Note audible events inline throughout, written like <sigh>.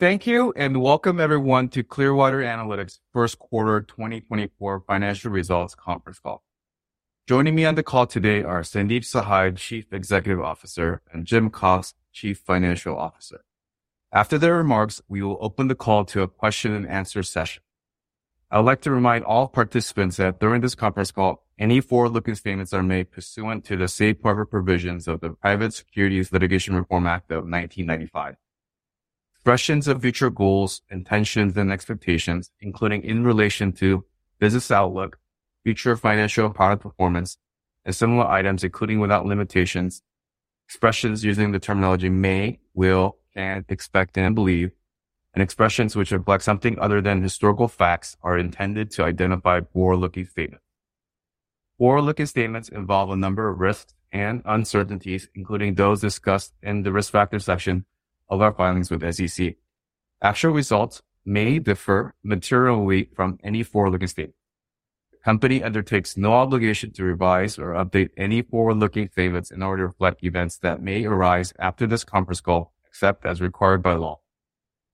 Thank you, and welcome everyone to Clearwater Analytics first quarter 2024 financial results conference call. Joining me on the call today are Sandeep Sahay, Chief Executive Officer, and Jim Cox, Chief Financial Officer. After their remarks, we will open the call to a question and answer session. I would like to remind all participants that during this conference call, any forward-looking statements are made pursuant to the safe harbor provisions of the Private Securities Litigation Reform Act of 1995. Expressions of future goals, intentions, and expectations, including in relation to business outlook, future financial and product performance, and similar items, including without limitations, expressions using the terminology may, will, can, expect, and believe, and expressions which reflect something other than historical facts, are intended to identify forward-looking statements. Forward-looking statements involve a number of risks and uncertainties, including those discussed in the risk factors section of our filings with SEC. Actual results may differ materially from any forward-looking statement. The company undertakes no obligation to revise or update any forward-looking statements in order to reflect events that may arise after this conference call, except as required by law.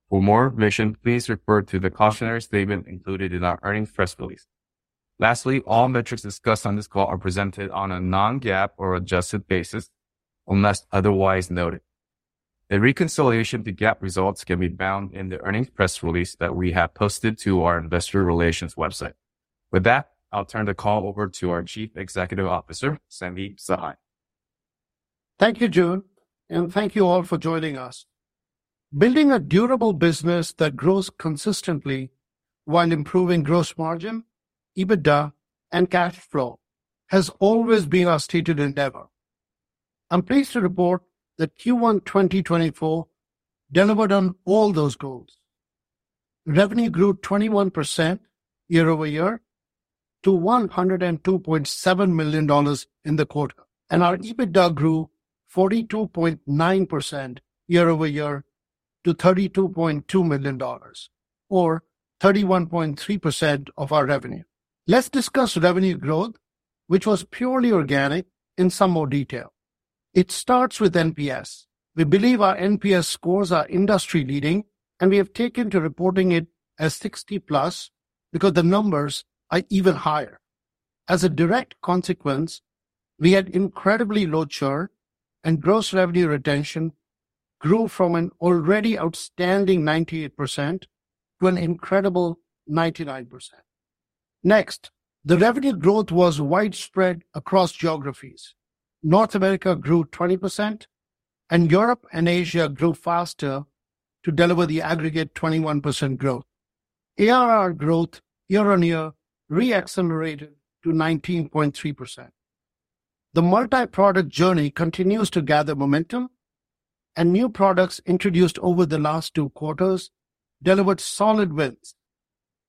For more information, please refer to the cautionary statement included in our earnings press release. Lastly, all metrics discussed on this call are presented on a non-GAAP or adjusted basis, unless otherwise noted. A reconciliation to GAAP results can be found in the earnings press release that we have posted to our investor relations website. With that, I'll turn the call over to our Chief Executive Officer, Sandeep Sahay. Thank you, Joon, and thank you all for joining us. Building a durable business that grows consistently while improving gross margin, EBITDA, and cash flow has always been our stated endeavor. I'm pleased to report that Q1 2024 delivered on all those goals. Revenue grew 21% year-over-year to $102.7 million in the quarter, and our EBITDA grew 42.9% year-over-year to $32.2 million, or 31.3% of our revenue. Let's discuss revenue growth, which was purely organic, in some more detail. It starts with NPS. We believe our NPS scores are industry-leading, and we have taken to reporting it as 60+ because the numbers are even higher. As a direct consequence, we had incredibly low churn, and gross revenue retention grew from an already outstanding 98% to an incredible 99%. Next, the revenue growth was widespread across geographies. North America grew 20%, and Europe and Asia grew faster to deliver the aggregate 21% growth. ARR growth year-on-year re-accelerated to 19.3%. The multi-product journey continues to gather momentum, and new products introduced over the last two quarters delivered solid wins,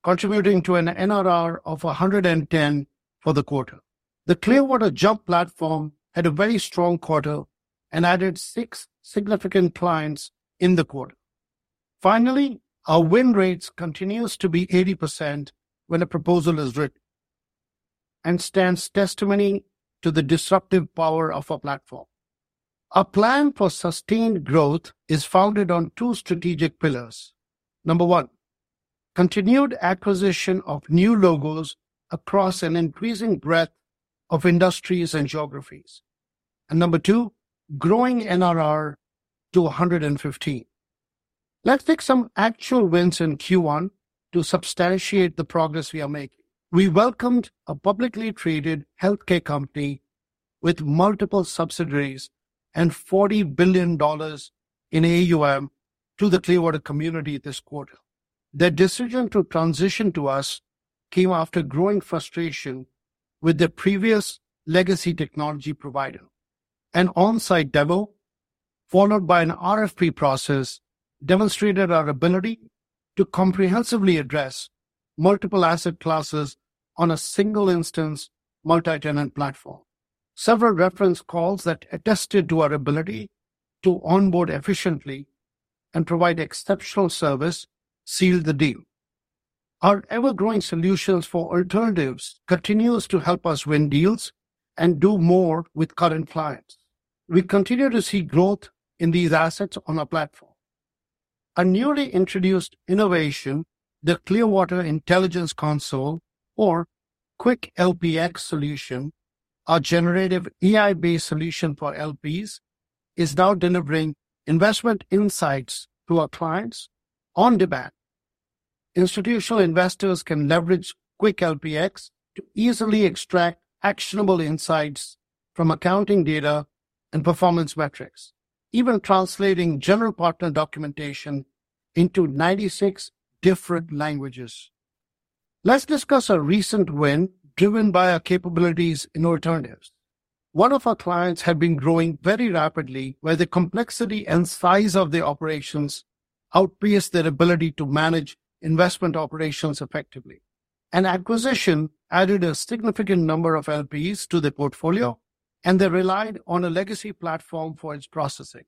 contributing to an NRR of 110 for the quarter. The Clearwater Jump platform had a very strong quarter and added six significant clients in the quarter. Finally, our win rates continues to be 80% when a proposal is written, and stands testimony to the disruptive power of our platform. Our plan for sustained growth is founded on two strategic pillars. Number one, continued acquisition of new logos across an increasing breadth of industries and geographies. And number two, growing NRR to 115. Let's take some actual wins in Q1 to substantiate the progress we are making. We welcomed a publicly traded healthcare company with multiple subsidiaries and $40 billion in AUM to the Clearwater community this quarter. Their decision to transition to us came after growing frustration with their previous legacy technology provider. An on-site demo, followed by an RFP process, demonstrated our ability to comprehensively address multiple asset classes on a single-instance multi-tenant platform. Several reference calls that attested to our ability to onboard efficiently and provide exceptional service sealed the deal. Our ever-growing solutions for alternatives continues to help us win deals and do more with current clients. We continue to see growth in these assets on our platform. A newly introduced innovation, the Clearwater Intelligence Console, or CWIC LPx solution, our generative AI-based solution for LPs, is now delivering investment insights to our clients on demand. Institutional investors can leverage CWIC LPx to easily extract actionable insights from accounting data and performance metrics, even translating general partner documentation into 96 different languages. Let's discuss a recent win driven by our capabilities in alternatives. One of our clients had been growing very rapidly, where the complexity and size of the operations outpaced their ability to manage investment operations effectively. An acquisition added a significant number of LPs to the portfolio, and they relied on a legacy platform for its processing.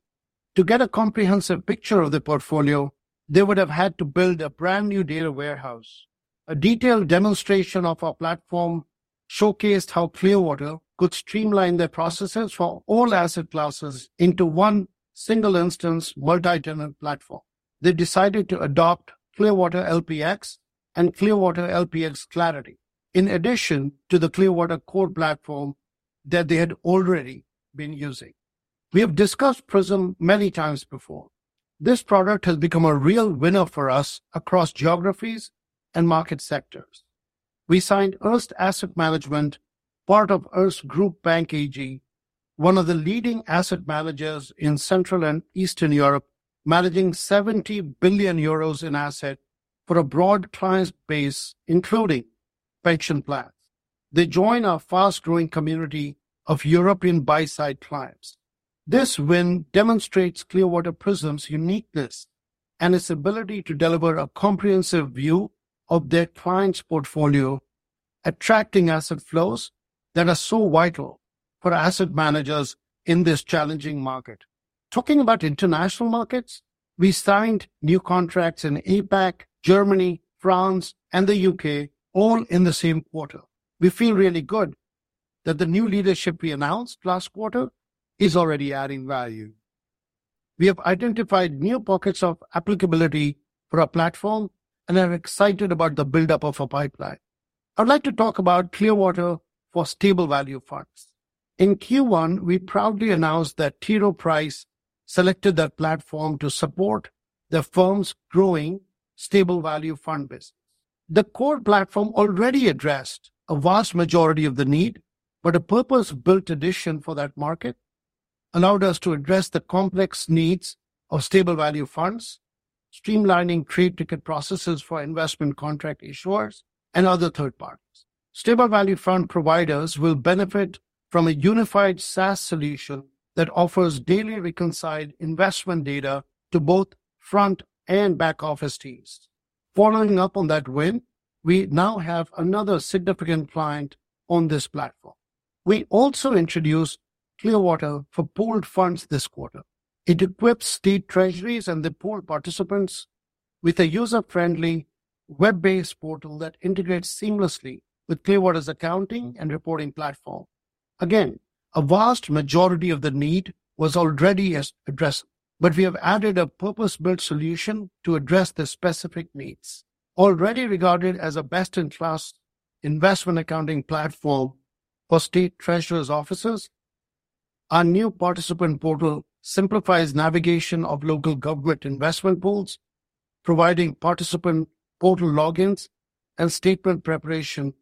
To get a comprehensive picture of the portfolio, they would have had to build a brand-new data warehouse. A detailed demonstration of our platform showcased how Clearwater could streamline their processes for all asset classes into one single instance, multi-tenant platform. They decided to adopt Clearwater LPx and Clearwater LPx Clarity, in addition to the Clearwater Core platform that they had already been using. We have discussed Prism many times before. This product has become a real winner for us across geographies and market sectors. We signed Erste Asset Management, part of Erste Group Bank AG, one of the leading asset managers in Central and Eastern Europe, managing 70 billion euros in assets for a broad client base, including pension plans. They join our fast-growing community of European buy-side clients. This win demonstrates Clearwater Prism's uniqueness and its ability to deliver a comprehensive view of their clients' portfolio, attracting asset flows that are so vital for asset managers in this challenging market. Talking about international markets, we signed new contracts in APAC, Germany, France, and the U.K., all in the same quarter. We feel really good that the new leadership we announced last quarter is already adding value. We have identified new pockets of applicability for our platform and are excited about the buildup of a pipeline. I'd like to talk about Clearwater for Stable Value Funds. In Q1, we proudly announced that T. Rowe Price selected that platform to support the firm's growing stable value fund business. The core platform already addressed a vast majority of the need, but a purpose-built addition for that market allowed us to address the complex needs of Stable Value Funds, streamlining trade ticket processes for investment contract issuers and other third parties. Stable value fund providers will benefit from a unified SaaS solution that offers daily reconciled investment data to both front and back-office teams. Following up on that win, we now have another significant client on this platform. We also introduced Clearwater for Pooled Funds this quarter. It equips state treasuries and the pool participants with a user-friendly, web-based portal that integrates seamlessly with Clearwater's accounting and reporting platform. Again, a vast majority of the need was already addressed, but we have added a purpose-built solution to address the specific needs. Already regarded as a best-in-class investment accounting platform for state treasurers' offices, our new participant portal simplifies navigation of local government investment pools, providing participant portal logins and statement preparation,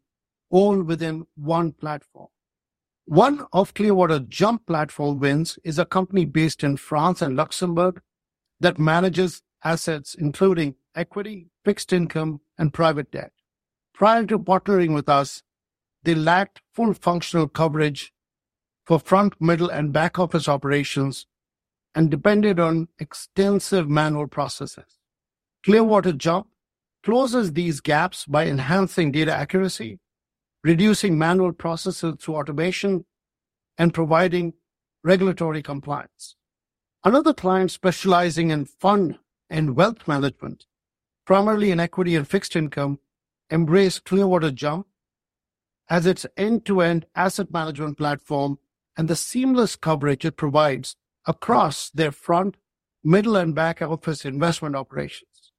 all within one platform. One of Clearwater Jump platform wins is a company based in France and Luxembourg that manages assets including equity, fixed income, and private debt. Prior to partnering with us, they lacked full functional coverage for front, middle, and back-office operations and depended on extensive manual processes. Clearwater Jump closes these gaps by enhancing data accuracy, reducing manual processes through automation, and providing regulatory compliance. Another client specializing in fund and wealth management, primarily in equity and fixed income, embraced Clearwater Jump as its end-to-end asset management platform and the seamless coverage it provides across their front, middle, and back-office investment operations.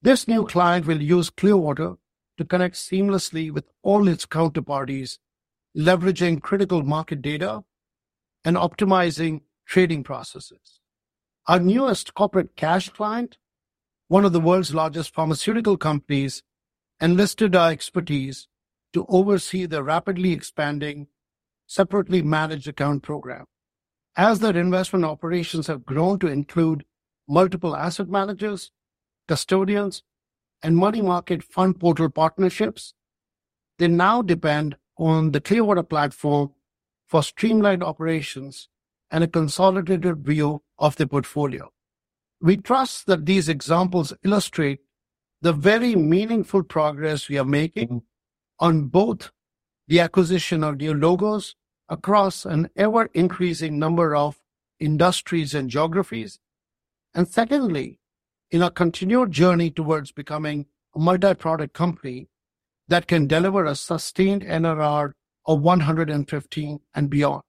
This new client will use Clearwater to connect seamlessly with all its counterparties, leveraging critical market data and optimizing trading processes. Our newest corporate cash client, one of the world's largest pharmaceutical companies, enlisted our expertise to oversee the rapidly expanding separately managed account program. As their investment operations have grown to include multiple asset managers, custodians, and money market fund portal partnerships, they now depend on the Clearwater platform for streamlined operations and a consolidated view of their portfolio. We trust that these examples illustrate the very meaningful progress we are making on both the acquisition of new logos across an ever-increasing number of industries and geographies, and secondly, in our continued journey towards becoming a multi-product company that can deliver a sustained NRR of 115 and beyond.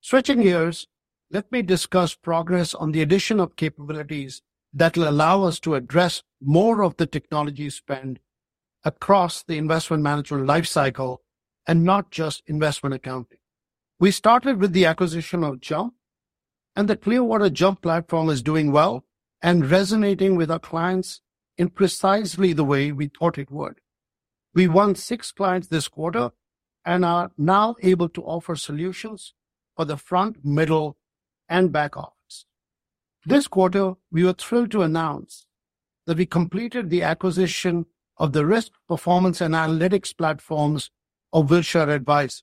Switching gears, let me discuss progress on the addition of capabilities that will allow us to address more of the technology spend across the investment management lifecycle and not just investment accounting. We started with the acquisition of JUMP, and the Clearwater Jump platform is doing well and resonating with our clients in precisely the way we thought it would. We won six clients this quarter and are now able to offer solutions for the front, middle, and back office. This quarter, we were thrilled to announce that we completed the acquisition of the risk performance and analytics platforms of Wilshire Advisors.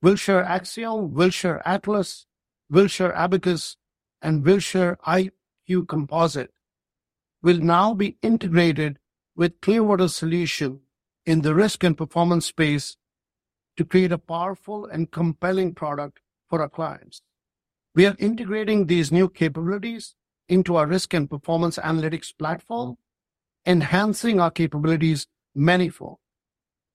Wilshire Axiom, Wilshire Atlas, Wilshire Abacus, and Wilshire iQComposite will now be integrated with Clearwater Solution in the risk and performance space to create a powerful and compelling product for our clients. We are integrating these new capabilities into our risk and performance analytics platform, enhancing our capabilities manifold.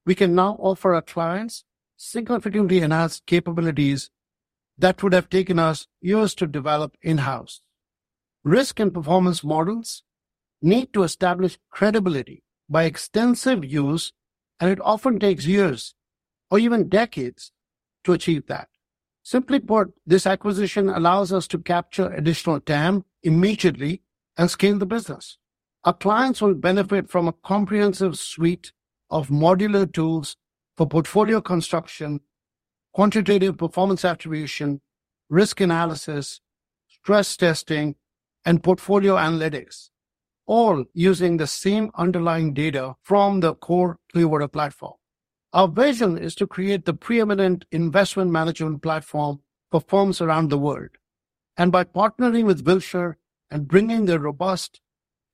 We can now offer our clients significantly enhanced capabilities that would have taken us years to develop in-house. Risk and performance models need to establish credibility by extensive use, and it often takes years or even decades to achieve that. Simply put, this acquisition allows us to capture additional TAM immediately and scale the business. Our clients will benefit from a comprehensive suite of modular tools for portfolio construction, quantitative performance attribution, risk analysis, stress testing, and portfolio analytics, all using the same underlying data from the core Clearwater platform. Our vision is to create the preeminent investment management platform for firms around the world. By partnering with Wilshire and bringing their robust,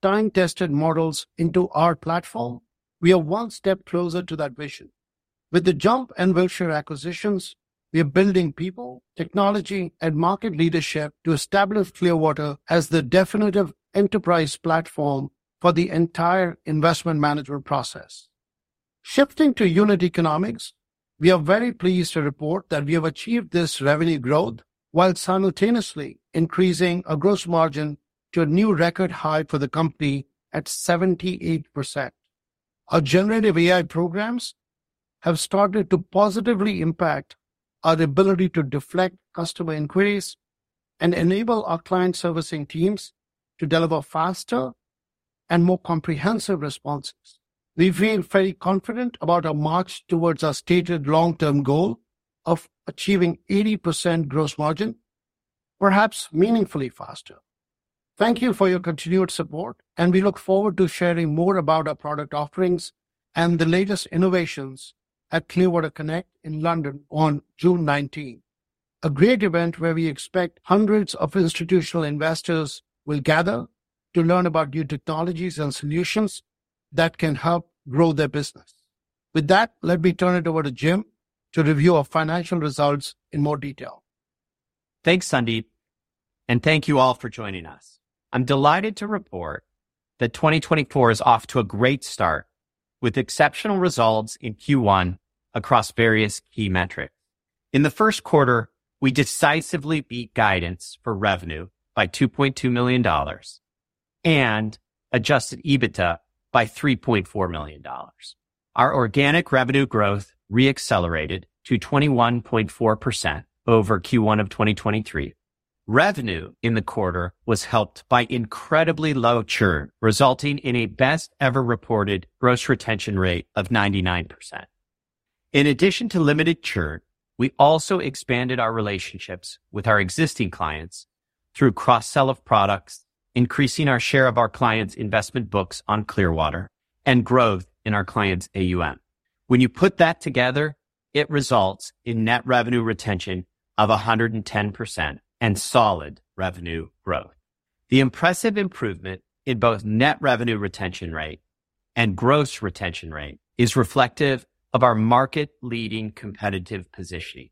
time-tested models into our platform, we are one step closer to that vision. With the JUMP and Wilshire acquisitions, we are building people, technology, and market leadership to establish Clearwater as the definitive enterprise platform for the entire investment management process. Shifting to unit economics, we are very pleased to report that we have achieved this revenue growth while simultaneously increasing our gross margin to a new record high for the company at 78%. Our generative AI programs have started to positively impact our ability to deflect customer inquiries and enable our client servicing teams to deliver faster and more comprehensive responses. We feel very confident about our march towards our stated long-term goal of achieving 80% gross margin, perhaps meaningfully faster. Thank you for your continued support, and we look forward to sharing more about our product offerings and the latest innovations at Clearwater Connect in London on June nineteenth, a great event where we expect hundreds of institutional investors will gather to learn about new technologies and solutions that can help grow their business. With that, let me turn it over to Jim to review our financial results in more detail. Thanks, Sandeep, and thank you all for joining us. I'm delighted to report that 2024 is off to a great start, with exceptional results in Q1 across various key metrics. In the first quarter, we decisively beat guidance for revenue by $2.2 million and Adjusted EBITDA by $3.4 million. Our organic revenue growth re-accelerated to 21.4% over Q1 of 2023. Revenue in the quarter was helped by incredibly low churn, resulting in a best-ever reported gross retention rate of 99%. In addition to limited churn, we also expanded our relationships with our existing clients through cross-sell of products, increasing our share of our clients' investment books on Clearwater and growth in our clients' AUM. When you put that together, it results in net revenue retention of 110% and solid revenue growth. The impressive improvement in both net revenue retention rate and gross retention rate is reflective of our market-leading competitive positioning.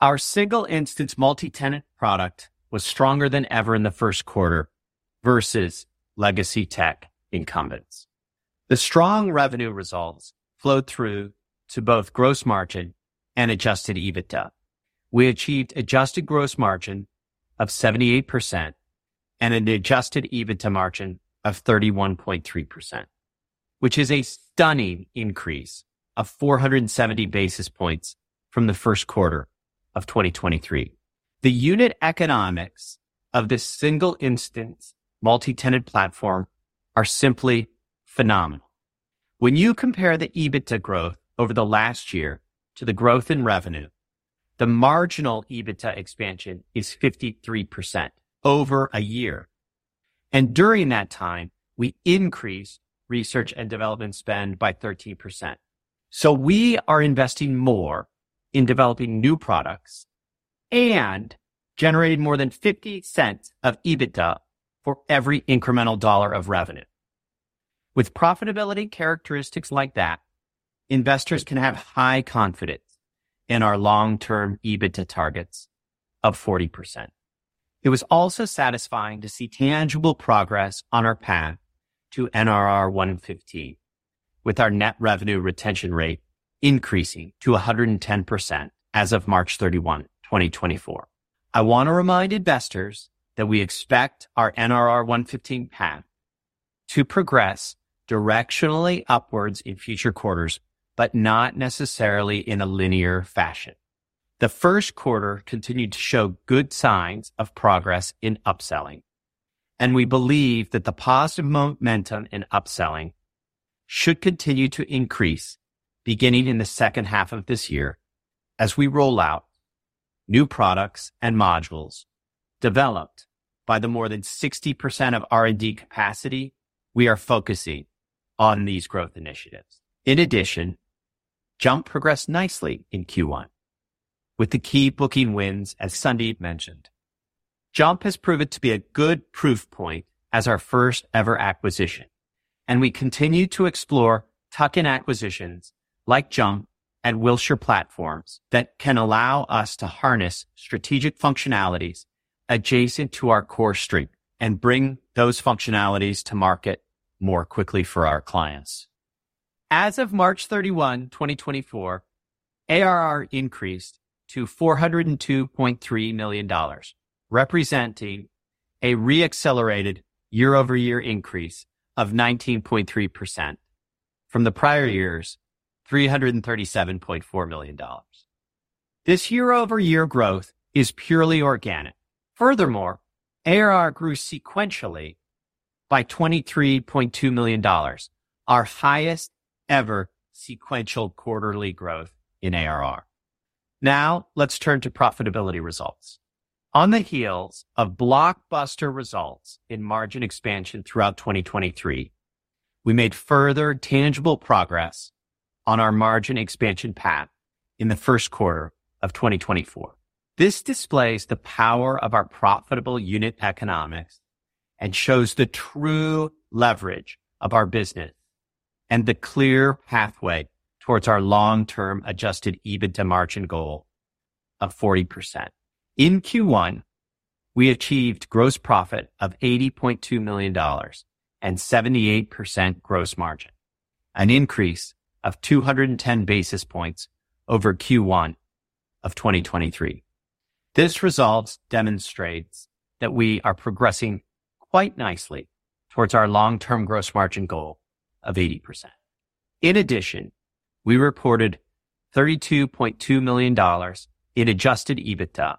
Our single-instance multi-tenant product was stronger than ever in the first quarter versus legacy tech incumbents. The strong revenue results flowed through to both gross margin and adjusted EBITDA. We achieved adjusted gross margin of 78% and an adjusted EBITDA margin of 31.3%, which is a stunning increase of 470 basis points from the first quarter of 2023. The unit economics of this single-instance, multi-tenant platform are simply phenomenal. When you compare the EBITDA growth over the last year to the growth in revenue, the marginal EBITDA expansion is 53% over a year, and during that time, we increased research and development spend by 13%. We are investing more in developing new products and generating more than $0.50 of EBITDA for every incremental $1 of revenue. With profitability characteristics like that, investors can have high confidence in our long-term EBITDA targets of 40%. It was also satisfying to see tangible progress on our path to NRR 115, with our net revenue retention rate increasing to 110% as of March 31, 2024. I want to remind investors that we expect our NRR 115 path to progress directionally upwards in future quarters, but not necessarily in a linear fashion. The first quarter continued to show good signs of progress in upselling, and we believe that the positive momentum in upselling should continue to increase beginning in the second half of this year as we roll out new products and modules developed by the more than 60% of R&D capacity we are focusing on these growth initiatives. In addition, JUMP progressed nicely in Q1 with the key booking wins, as Sandeep mentioned. JUMP has proven to be a good proof point as our first-ever acquisition and we continue to explore tuck-in acquisitions like Jump and Wilshire platforms that can allow us to harness strategic functionalities adjacent to our core strength and bring those functionalities to market more quickly for our clients. As of March 31, 2024, ARR increased to $402.3 million, representing a re-accelerated year-over-year increase of 19.3% from the prior year's $337.4 million. This year-over-year growth is purely organic. Furthermore, ARR grew sequentially by $23.2 million, our highest ever sequential quarterly growth in ARR. Now, let's turn to profitability results. On the heels of blockbuster results in margin expansion throughout 2023, we made further tangible progress on our margin expansion path in the first quarter of 2024. This displays the power of our profitable unit economics and shows the true leverage of our business, and the clear pathway towards our long-term adjusted EBITDA margin goal of 40%. In Q1, we achieved gross profit of $80.2 million and 78% gross margin, an increase of 210 basis points over Q1 of 2023. This result demonstrates that we are progressing quite nicely towards our long-term gross margin goal of 80%. In addition, we reported $32.2 million in adjusted EBITDA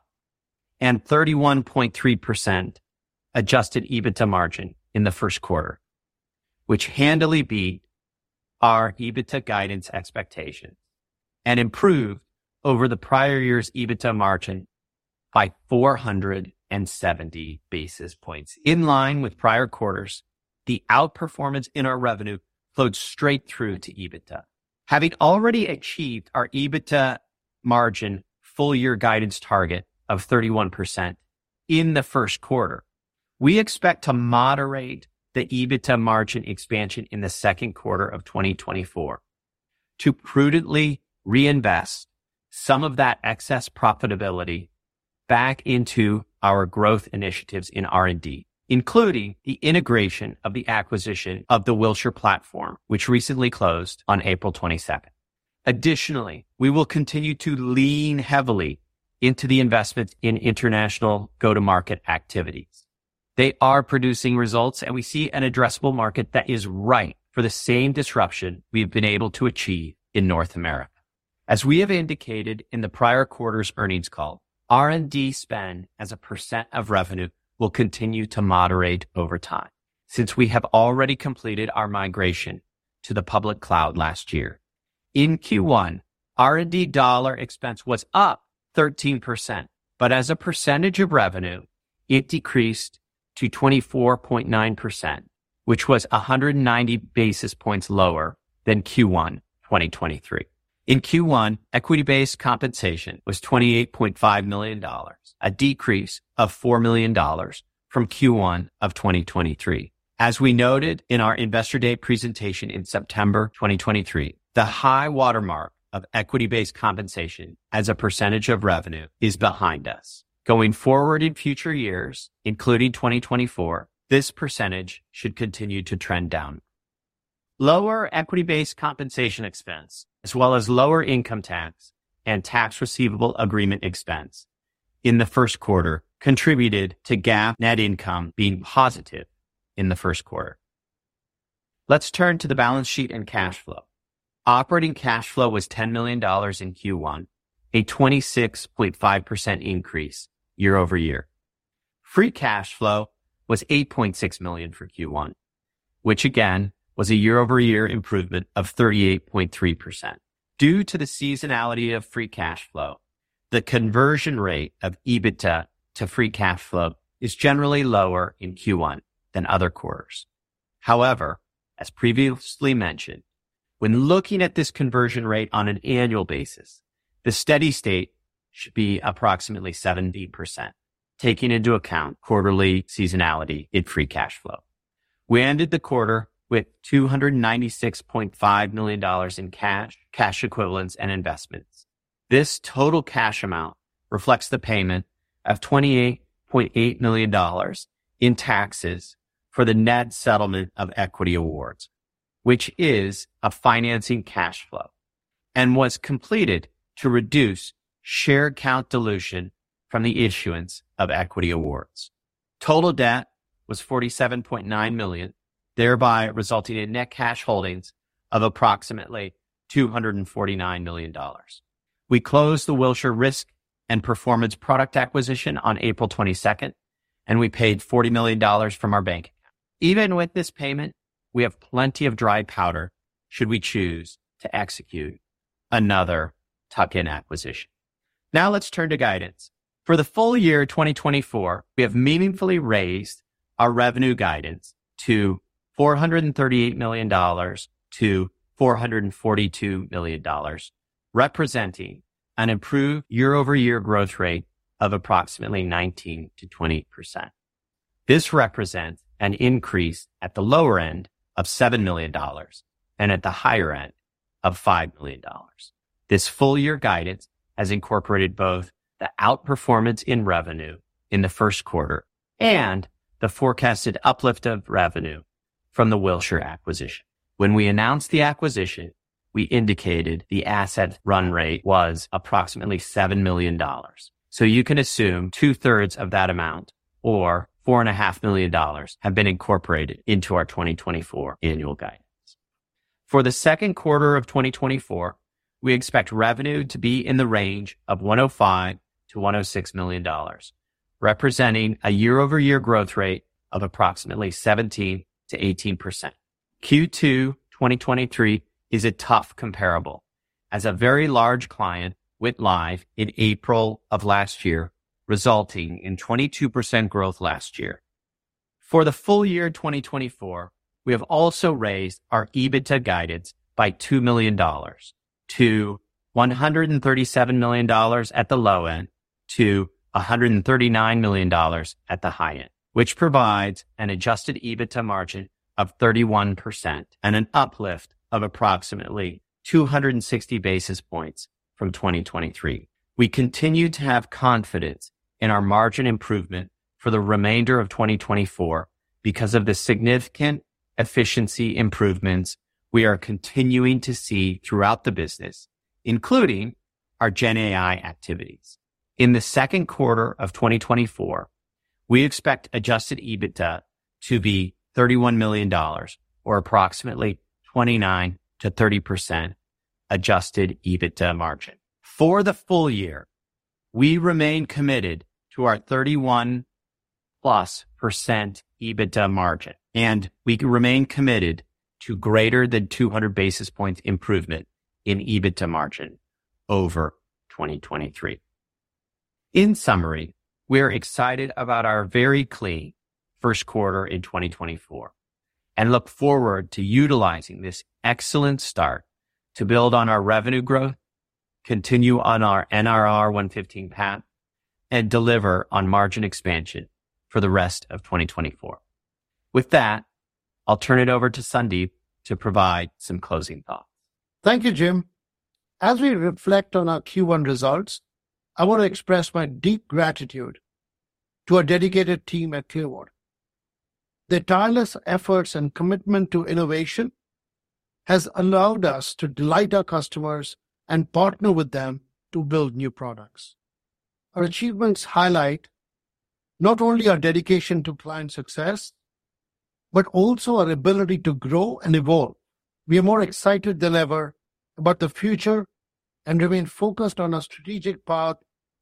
and 31.3% adjusted EBITDA margin in the first quarter, which handily beat our EBITDA guidance expectations and improved over the prior year's EBITDA margin by 470 basis points. In line with prior quarters, the outperformance in our revenue flowed straight through to EBITDA. Having already achieved our EBITDA margin full year guidance target of 31% in the first quarter, we expect to moderate the EBITDA margin expansion in the second quarter of 2024 to prudently reinvest some of that excess profitability back into our growth initiatives in R&D, including the integration of the acquisition of the Wilshire platform, which recently closed on April 22. Additionally, we will continue to lean heavily into the investments in international go-to-market activities. They are producing results, and we see an addressable market that is ripe for the same disruption we've been able to achieve in North America. As we have indicated in the prior quarter's earnings call, R&D spend as a percent of revenue will continue to moderate over time since we have already completed our migration to the public cloud last year. In Q1, R&D dollar expense was up 13%, but as a percentage of revenue, it decreased to 24.9%, which was 190 basis points lower than Q1 2023. In Q1, equity-based compensation was $28.5 million, a decrease of $4 million from Q1 of 2023. As we noted in our Investor Day presentation in September 2023, the high watermark of equity-based compensation as a percentage of revenue is behind us. Going forward in future years, including 2024, this percentage should continue to trend downward. Lower equity-based compensation expense, as well as lower income tax and tax receivable agreement expense in the first quarter contributed to GAAP net income being positive in the first quarter. Let's turn to the balance sheet and cash flow. Operating cash flow was $10 million in Q1, a 26.5% increase year-over-year. Free cash flow was $8.6 million for Q1, which again, was a year-over-year improvement of 38.3%. Due to the seasonality of free cash flow, the conversion rate of EBITDA to free cash flow is generally lower in Q1 than other quarters. However, as previously mentioned, when looking at this conversion rate on an annual basis, the steady state should be approximately 70%, taking into account quarterly seasonality in free cash flow. We ended the quarter with $296.5 million in cash, cash equivalents, and investments. This total cash amount reflects the payment of $28.8 million in taxes for the net settlement of equity awards, which is a financing cash flow, and was completed to reduce share count dilution from the issuance of equity awards. Total debt was $47.9 million, thereby resulting in net cash holdings of approximately $249 million. We closed the Wilshire Risk and Performance product acquisition on April 22, and we paid $40 million from our bank account. Even with this payment, we have plenty of dry powder should we choose to execute another tuck-in acquisition. Now, let's turn to guidance. For the full year 2024, we have meaningfully raised our revenue guidance to $438 million-$442 million, representing an improved year-over-year growth rate of approximately 19%-20%. This represents an increase at the lower end of $7 million, and at the higher end of $5 million. This full year guidance has incorporated both the outperformance in revenue in the first quarter and the forecasted uplift of revenue from the Wilshire acquisition. When we announced the acquisition, we indicated the asset run rate was approximately $7 million. So you can assume two-thirds of that amount, or $4.5 million, have been incorporated into our 2024 annual guidance. For the second quarter of 2024, we expect revenue to be in the range of $105 million-$106 million, representing a year-over-year growth rate of approximately 17%-18%. Q2 2023 is a tough comparable, as a very large client went live in April of last year, resulting in 22% growth last year. For the full year 2024, we have also raised our EBITDA guidance by $2 million, to $137 million at the low end to $139 million at the high end, which provides an adjusted EBITDA margin of 31% and an uplift of approximately 260 basis points from 2023. We continue to have confidence in our margin improvement for the remainder of 2024 because of the significant efficiency improvements we are continuing to see throughout the business, including our GenAI activities. In the second quarter of 2024, we expect adjusted EBITDA to be $31 million or approximately 29%-30% adjusted EBITDA margin. For the full year, we remain committed to our 31%+ EBITDA margin, and we remain committed to greater than 200 basis points improvement in EBITDA margin over 2023. In summary, we are excited about our very clean first quarter in 2024 and look forward to utilizing this excellent start to build on our revenue growth, continue on our NRR 115 path, and deliver on margin expansion for the rest of 2024. With that, I'll turn it over to Sandeep to provide some closing thoughts. Thank you, Jim. As we reflect on our Q1 results, I want to express my deep gratitude to our dedicated team at Clearwater. Their tireless efforts and commitment to innovation has allowed us to delight our customers and partner with them to build new products. Our achievements highlight not only our dedication to client success, but also our ability to grow and evolve. We are more excited than ever about the future and remain focused on our strategic path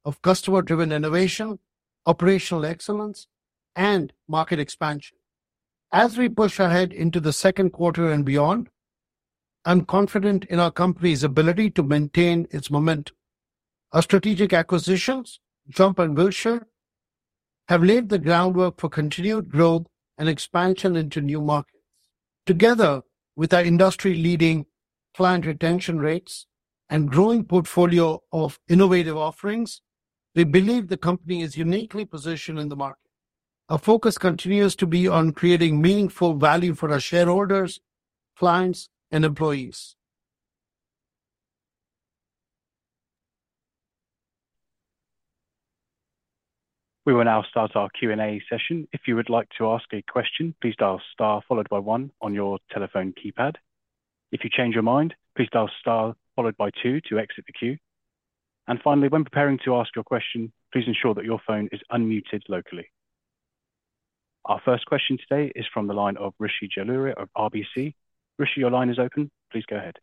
of customer-driven innovation, operational excellence, and market expansion. As we push ahead into the second quarter and beyond, I'm confident in our company's ability to maintain its momentum. Our strategic acquisitions, JUMP and Wilshire, have laid the groundwork for continued growth and expansion into new markets. Together with our industry-leading client retention rates and growing portfolio of innovative offerings, we believe the company is uniquely positioned in the market. Our focus continues to be on creating meaningful value for our shareholders, clients, and employees. We will now start our Q&A session. If you would like to ask a question, please dial star followed by one on your telephone keypad. If you change your mind, please dial star followed by two to exit the queue. Finally, when preparing to ask your question, please ensure that your phone is unmuted locally. Our first question today is from the line of Rishi Jaluri of RBC. Rishi, your line is open. Please go ahead.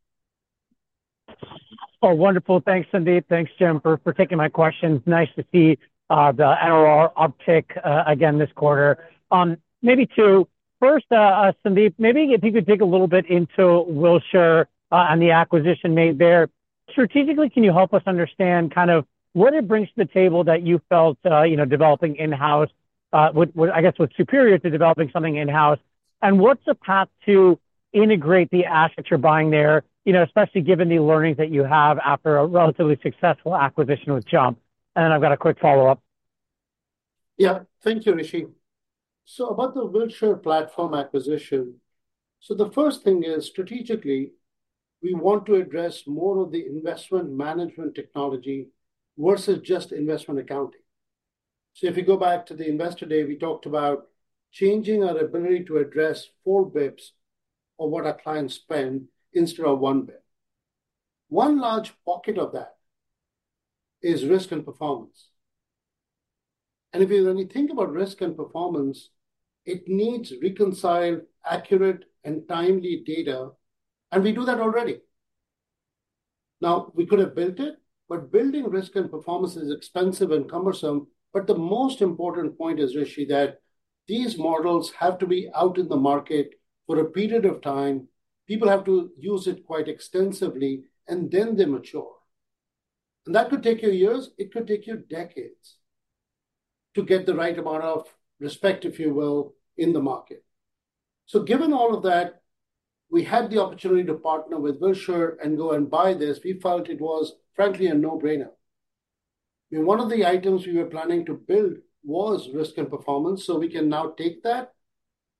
Oh, wonderful. Thanks, Sandeep. Thanks, Jim, for taking my questions. Nice to see the NRR uptick again this quarter. Maybe first, Sandeep, maybe if you could dig a little bit into Wilshire and the acquisition made there. Strategically, can you help us understand kind of what it brings to the table that you felt, you know, developing in-house would—I guess, was superior to developing something in-house? And what's the path to integrate the assets you're buying there, you know, especially given the learnings that you have after a relatively successful acquisition with JUMP? And then I've got a quick follow-up. Yeah. Thank you, Rishi. So about the Wilshire platform acquisition, so the first thing is, strategically, we want to address more of the investment management technology versus just investment accounting. So if you go back to the Investor Day, we talked about changing our ability to address four bps of what our clients spend instead of one bp. One large pocket of that is risk and performance. And when you think about risk and performance, it needs reconciled, accurate, and timely data, and we do that already. Now, we could have built it, but building risk and performance is expensive and cumbersome. But the most important point is, Rishi, that these models have to be out in the market for a period of time. People have to use it quite extensively, and then they mature. And that could take you years, it could take you decades. To get the right amount of respect, if you will, in the market. So given all of that, we had the opportunity to partner with Wilshire and go and buy this. We felt it was, frankly, a no-brainer. I mean, one of the items we were planning to build was risk and performance, so we can now take that,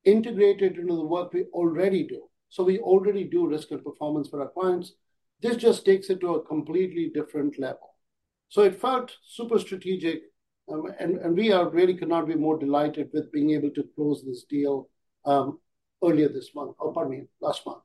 integrate it into the work we already do. So we already do risk and performance for our clients. This just takes it to a completely different level. So it felt super strategic, and really could not be more delighted with being able to close this deal earlier this month, or pardon me, last month.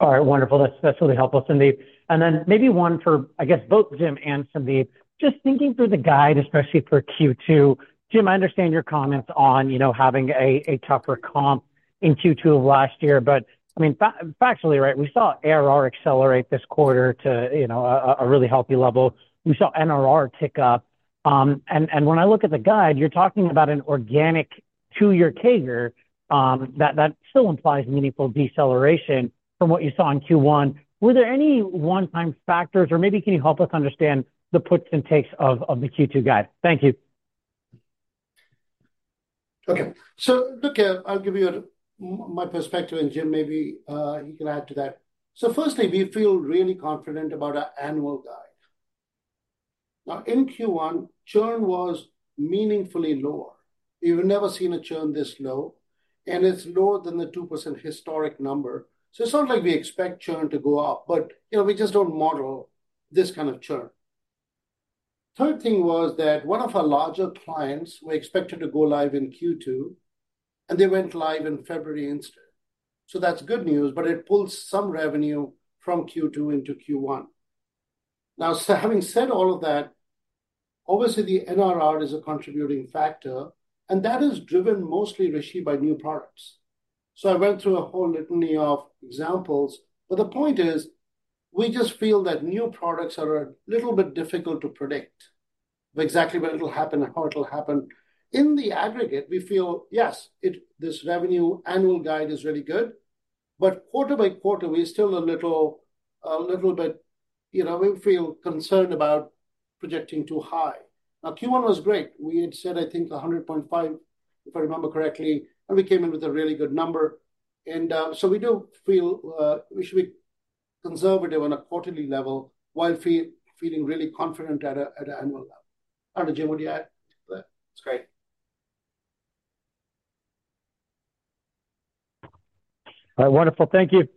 All right, wonderful. That's really helpful, Sandeep. And then maybe one for, I guess, both Jim and Sandeep. Just thinking through the guide, especially for Q2, Jim, I understand your comments on, you know, having a tougher comp in Q2 of last year, but, I mean, factually, right, we saw ARR accelerate this quarter to, you know, a really healthy level. We saw NRR tick up. And when I look at the guide, you're talking about an organic two-year CAGR, that still implies meaningful deceleration from what you saw in Q1. Were there any one-time factors, or maybe can you help us understand the puts and takes of the Q2 guide? Thank you. Okay. So look, I'll give you my perspective, and Jim, maybe, he can add to that. So firstly, we feel really confident about our annual guide. Now, in Q1, churn was meaningfully lower. We've never seen a churn this low, and it's lower than the 2% historic number. So it's not like we expect churn to go up, but, you know, we just don't model this kind of churn. Third thing was that one of our larger clients were expected to go live in Q2, and they went live in February instead. So that's good news, but it pulls some revenue from Q2 into Q1. Now, so having said all of that, obviously, the NRR is a contributing factor, and that is driven mostly, Rishi, by new products. So I went through a whole litany of examples, but the point is, we just feel that new products are a little bit difficult to predict, exactly when it'll happen and how it'll happen. In the aggregate, we feel, yes, it—this revenue annual guide is really good, but quarter by quarter, we're still a little, a little bit, you know, we feel concerned about projecting too high. Now, Q1 was great. We had said, I think, $100.5, if I remember correctly, and we came in with a really good number. And so we do feel we should be conservative on a quarterly level, while feeling really confident at an annual level. I don't know, Jim, would you add to that? It's great. All right, wonderful. Thank you.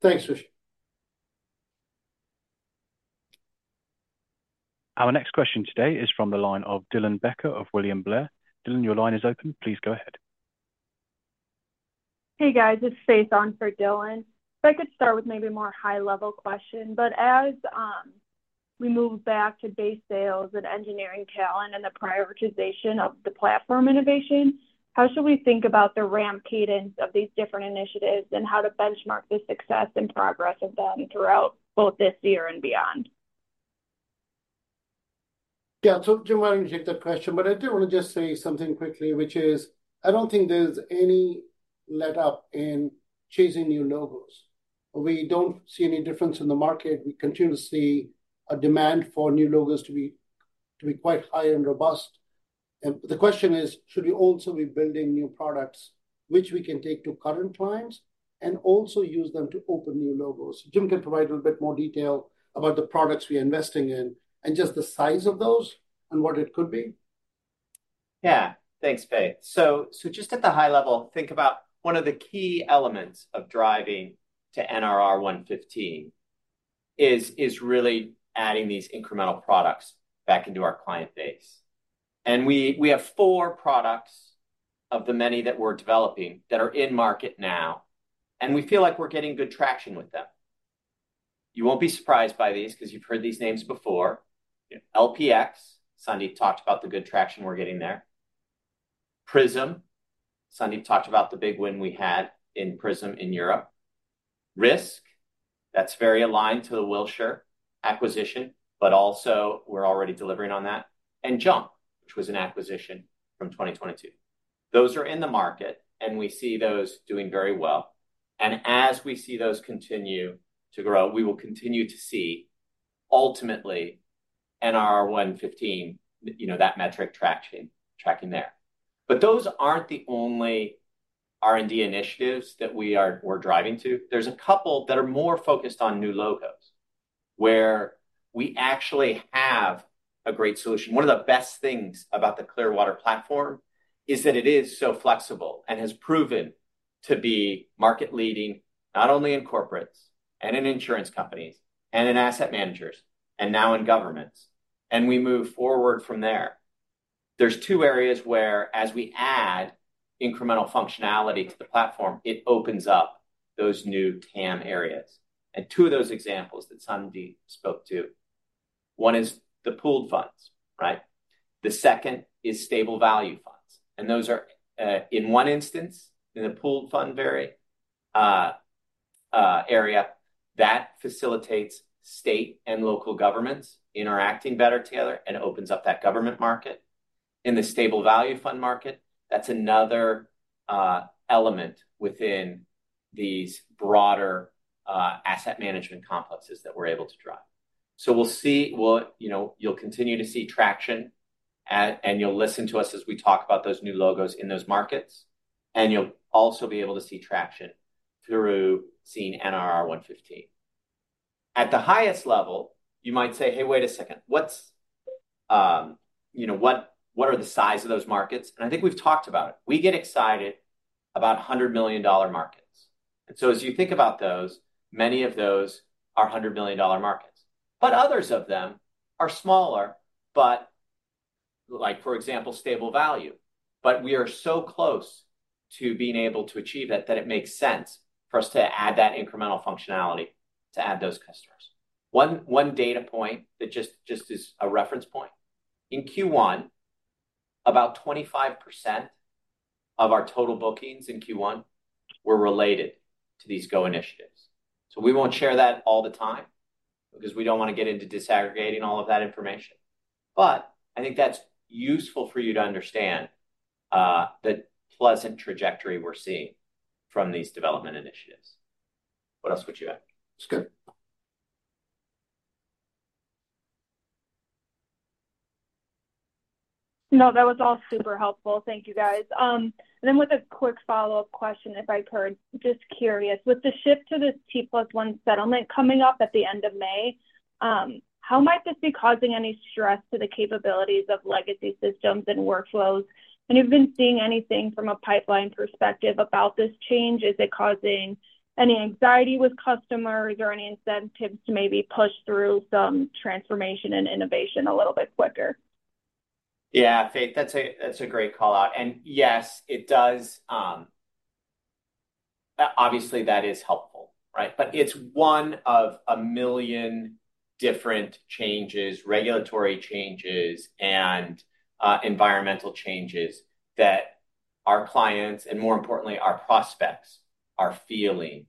Thanks, Rishi. Our next question today is from the line of Dylan Becker of William Blair. Dylan, your line is open. Please go ahead. Hey, guys, it's Faith on for Dylan. If I could start with maybe a more high-level question, but as we move back to base sales and engineering talent and the prioritization of the platform innovation, how should we think about the ramp cadence of these different initiatives and how to benchmark the success and progress of them throughout both this year and beyond? Yeah, so Jim, why don't you take that question? But I do wanna just say something quickly, which is, I don't think there's any letup in chasing new logos. We don't see any difference in the market. We continue to see a demand for new logos to be quite high and robust. And the question is: Should we also be building new products which we can take to current clients and also use them to open new logos? Jim can provide a little bit more detail about the products we're investing in and just the size of those and what it could be. Yeah. Thanks, Faith. So, just at the high level, think about one of the key elements of driving to NRR 115 is really adding these incremental products back into our client base. And we have four products of the many that we're developing that are in market now, and we feel like we're getting good traction with them. You won't be surprised by these because you've heard these names before. LPx, Sandeep talked about the good traction we're getting there. Prism, Sandeep talked about the big win we had in Prism in Europe. Risk, that's very aligned to the Wilshire acquisition, but also we're already delivering on that. And Jump, which was an acquisition from 2022. Those are in the market, and we see those doing very well. And as we see those continue to grow, we will continue to see, ultimately, NRR 115, you know, that metric tracking there. But those aren't the only R&D initiatives that we're driving to. There's a couple that are more focused on new logos, where we actually have a great solution. One of the best things about the Clearwater platform is that it is so flexible and has proven to be market-leading, not only in corporates and in insurance companies and in asset managers, and now in governments, and we move forward from there. There are two areas where, as we add incremental functionality to the platform, it opens up those new TAM areas. And two of those examples that Sandeep spoke to, one is the pooled funds, right? The second is stable value funds, and those are, in one instance, in the pooled fund area, that facilitates state and local governments interacting better together and opens up that government market. In the stable value fund market, that's another element within these broader asset management complexes that we're able to drive. So we'll see what, you know, you'll continue to see traction at, and you'll listen to us as we talk about those new logos in those markets, and you'll also be able to see traction through seeing NRR 115. At the highest level, you might say, "Hey, wait a second. What's, you know, what are the size of those markets?" And I think we've talked about it. We get excited about $100 million markets. As you think about those, many of those are $100 million markets, but others of them are smaller, but like, for example, stable value. But we are so close to being able to achieve it, that it makes sense for us to add that incremental functionality to add those customers. One data point that just as a reference point, in Q1, about 25% of our total bookings in Q1 were related to these go initiatives. So we won't share that all the time, because we don't want to get into disaggregating all of that information. But I think that's useful for you to understand the pleasant trajectory we're seeing from these development initiatives. What else would you add? It's good. No, that was all super helpful. Thank you, guys. Then with a quick follow-up question, if I could. Just curious, with the shift to this T+1 settlement coming up at the end of May, how might this be causing any stress to the capabilities of legacy systems and workflows? And you've been seeing anything from a pipeline perspective about this change, is it causing any anxiety with customers, or any incentives to maybe push through some transformation and innovation a little bit quicker? Yeah, Faith, that's a great call-out. And yes, it does, obviously, that is helpful, right? But it's one of a million different changes, regulatory changes and environmental changes that our clients, and more importantly, our prospects, are feeling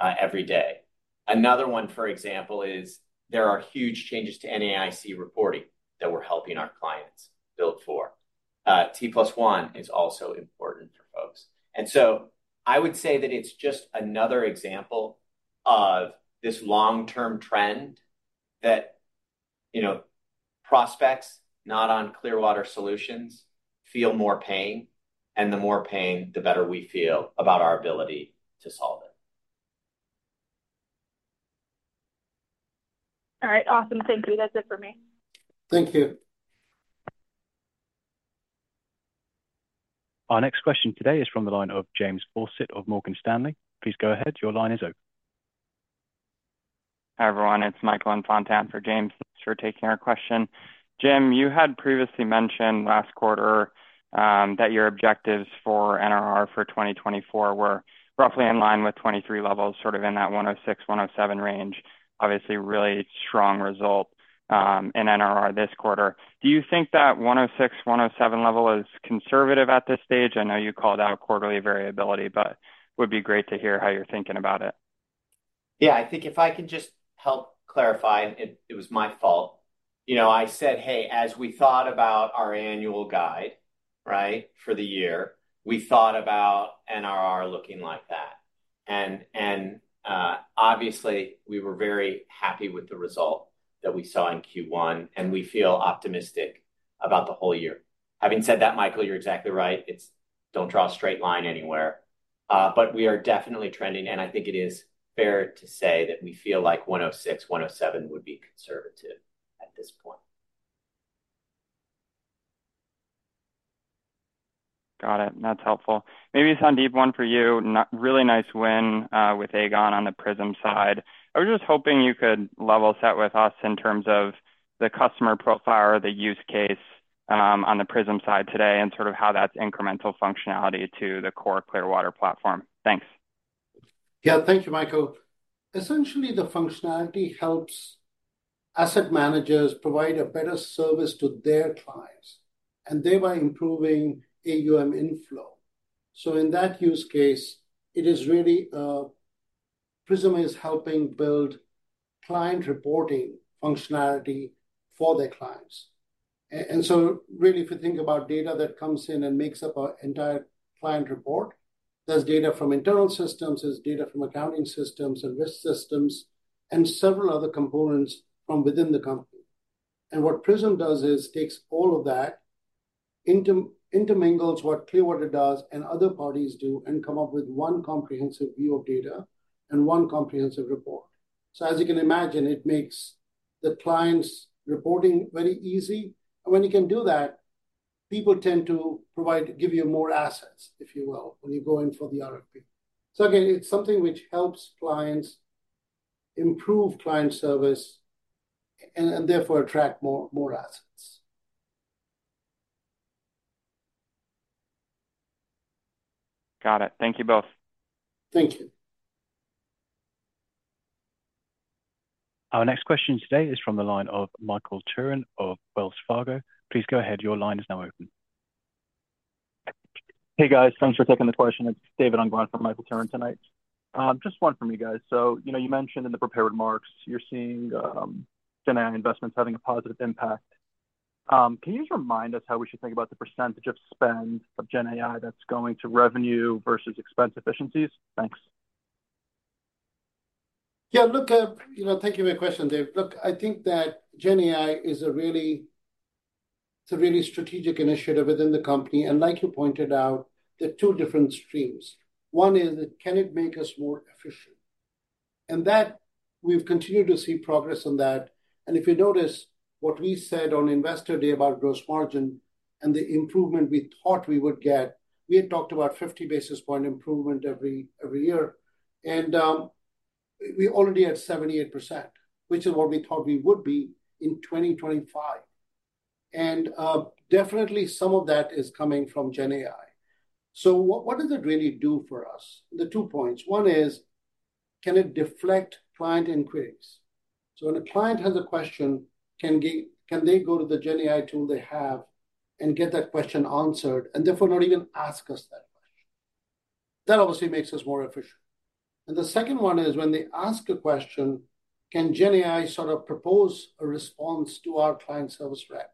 every day. Another one, for example, is there are huge changes to NAIC reporting that we're helping our clients build for. T+1 is also important for folks. And so I would say that it's just another example of this long-term trend that, you know, prospects not on Clearwater Solutions feel more pain, and the more pain, the better we feel about our ability to solve it. All right, awesome. Thank you. That's it for me. Thank you. Our next question today is from the line of James Fawcett of Morgan Stanley. Please go ahead. Your line is open. Hi, everyone, it's Michael Infante for James. Thanks for taking our question. Jim, you had previously mentioned last quarter, that your objectives for NRR for 2024 were roughly in line with 2023 levels, sort of in that 106, 107 range. Obviously, really strong result in NRR this quarter. Do you think that 106, 107 level is conservative at this stage? I know you called out a quarterly variability, but it would be great to hear how you're thinking about it. Yeah, I think if I can just help clarify, it was my fault. You know, I said, "Hey, as we thought about our annual guide, right, for the year, we thought about NRR looking like that." And obviously, we were very happy with the result that we saw in Q1, and we feel optimistic about the whole year. Having said that, Michael, you're exactly right. It's don't draw a straight line anywhere. But we are definitely trending, and I think it is fair to say that we feel like 106, 107 would be conservative at this point. Got it. That's helpful. Maybe, Sandeep, one for you. Really nice win with Aegon on the Prism side. I was just hoping you could level set with us in terms of the customer profile or the use case on the Prism side today, and sort of how that's incremental functionality to the core Clearwater platform. Thanks. Yeah. Thank you, Michael. Essentially, the functionality helps asset managers provide a better service to their clients, and thereby improving AUM inflow. So in that use case, it is really, Prism is helping build client reporting functionality for their clients. And so really, if you think about data that comes in and makes up our entire client report, there's data from internal systems, there's data from accounting systems and risk systems, and several other components from within the company. And what Prism does is takes all of that, intermingles what Clearwater does and other parties do, and come up with one comprehensive view of data and one comprehensive report. So as you can imagine, it makes the client's reporting very easy. And when you can do that, people tend to give you more assets, if you will, when you go in for the RFP. So again, it's something which helps clients improve client service and therefore attract more assets. Got it. Thank you both. Thank you. Our next question today is from the line of Michael Turrin of Wells Fargo. Please go ahead. Your line is now open. Hey, guys. Thanks for taking the question. It's David Unger from Michael Turrin tonight. Just one from you guys. So, you know, you mentioned in the prepared remarks you're seeing GenAI investments having a positive impact. Can you just remind us how we should think about the percentage of spend of GenAI that's going to revenue versus expense efficiencies? Thanks. Yeah, look, you know, thank you for your question, Dave. Look, I think that GenAI is a really, it's a really strategic initiative within the company, and like you pointed out, there are two different streams. One is, can it make us more efficient? And that, we've continued to see progress on that, and if you notice what we said on Investor Day about gross margin and the improvement we thought we would get, we had talked about 50 basis point improvement every year. And we already at 78%, which is what we thought we would be in 2025. And definitely some of that is coming from GenAI. So what does it really do for us? The two points. One is, can it deflect client inquiries? So when a client has a question, can they, can they go to the GenAI tool they have and get that question answered, and therefore not even ask us that question? That obviously makes us more efficient. And the second one is, when they ask a question, can GenAI sort of propose a response to our client service rep,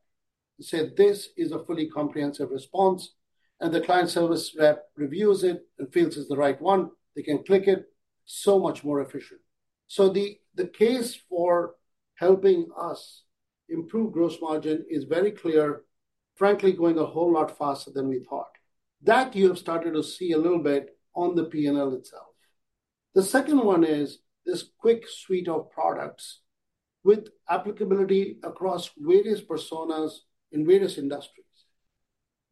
and say, "This is a fully comprehensive response," and the client service rep reviews it and feels it's the right one, they can click it, so much more efficient. So the case for helping us improve gross margin is very clear, frankly, going a whole lot faster than we thought. That you have started to see a little bit on the PNL itself. The second one is this CWIC suite of products with applicability across various personas in various industries.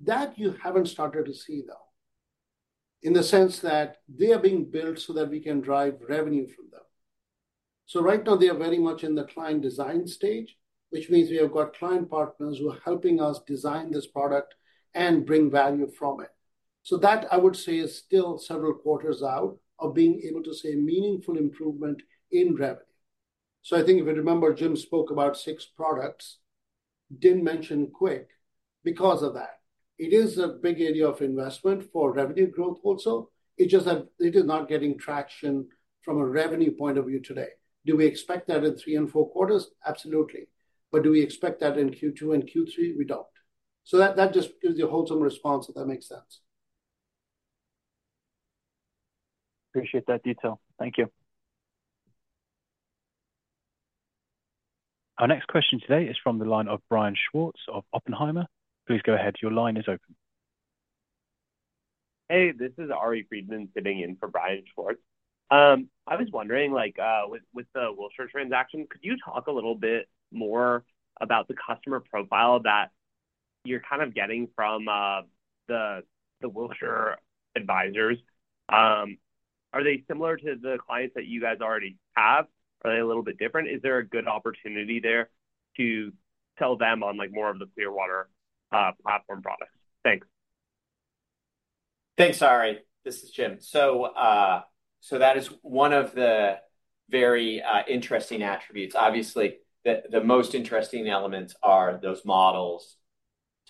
That you haven't started to see, though, in the sense that they are being built so that we can drive revenue from them. So right now, they are very much in the client design stage, which means we have got client partners who are helping us design this product and bring value from it. So that, I would say, is still several quarters out of being able to see a meaningful improvement in revenue. So I think if you remember, Jim spoke about six products, didn't mention Quick because of that. It is a big area of investment for revenue growth also. It's just that it is not getting traction from a revenue point of view today. Do we expect that in three and four quarters? Absolutely. But do we expect that in Q2 and Q3? We don't. So that, that just gives you a wholesome response, if that makes sense. Appreciate that detail. Thank you. Our next question today is from the line of Brian Schwartz of Oppenheimer. Please go ahead. Your line is open. Hey, this is Ari Friedman sitting in for Brian Schwartz. I was wondering, like, with, with the Wilshire Advisors transaction, could you talk a little bit more about the customer profile that you're kind of getting from, the, the Wilshire Advisors? Are they similar to the clients that you guys already have? Are they a little bit different? Is there a good opportunity there to sell them on, like, more of the Clearwater, platform products? Thanks. Thanks, Ari. This is Jim. So, so that is one of the very, interesting attributes. Obviously, the, the most interesting elements are those models,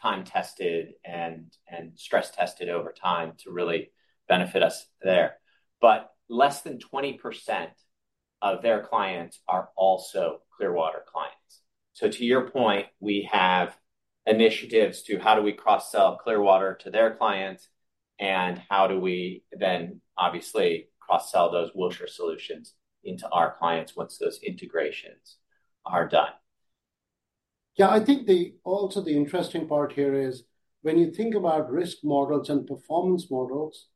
time-tested and, and stress-tested over time to really benefit us there. But less than 20% of their clients are also Clearwater clients. So to your point, we have initiatives to how do we cross-sell Clearwater to their clients, and how do we then, obviously, cross-sell those Wilshire Solutions into our clients once those integrations are done? Yeah, I think. Also, the interesting part here is when you think about risk models and performance models,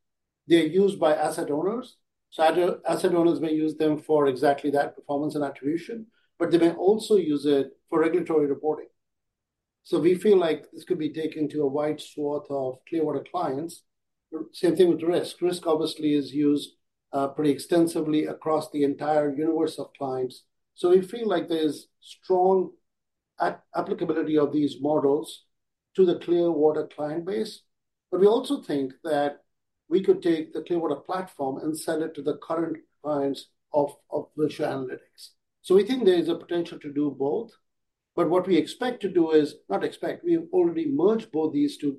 they're used by asset owners. So asset owners may use them for exactly that, performance and attribution, but they may also use it for regulatory reporting. So we feel like this could be taken to a wide swath of Clearwater clients. Same thing with risk. Risk, obviously, is used pretty extensively across the entire universe of clients. So we feel like there's strong applicability of these models to the Clearwater client base. But we also think that we could take the Clearwater platform and sell it to the current clients of Wilshire analytics. So we think there is a potential to do both, but what we expect to do is, not expect, we've already merged both these two